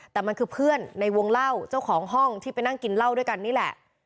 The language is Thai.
แต่มันคือเพื่อนในวงเล่าเจ้าของห้องที่ไปนั่งกินเหล้าด้วยกันนี่แหละ